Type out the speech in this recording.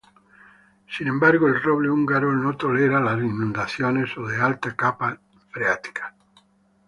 Sin embargo, el roble húngaro no tolera las inundaciones o de alta capa freática.